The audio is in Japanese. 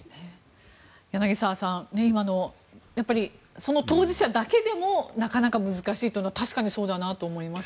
柳澤さん、今のやっぱりその当事者だけでもなかなか難しいというのは確かにそうだなと思います。